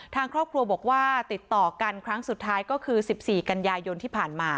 ทางครอบครัวบอกว่าติดต่อกันครั้งสุดท้ายก็คือ๑๔กันยายนที่ผ่านมา